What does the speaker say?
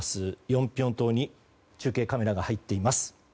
ヨンピョン島に中継カメラが入っています。